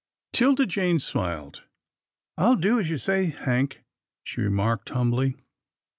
'Tilda Jane smiled. " I'll do as you say, Hank," she remarked, humbly.